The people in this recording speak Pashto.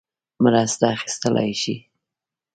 مرسته اخیستلای شي.